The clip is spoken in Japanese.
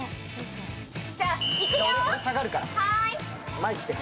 じゃ、いくよ。